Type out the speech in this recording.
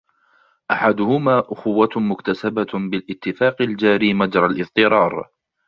أَحَدُهُمَا أُخُوَّةٌ مُكْتَسَبَةٌ بِالِاتِّفَاقِ الْجَارِي مَجْرَى الِاضْطِرَارِ